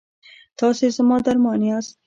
تاسې زما درمان یاست؟